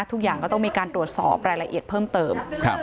ทุกอย่างก็ต้องมีการตรวจสอบรายละเอียดเพิ่มเติม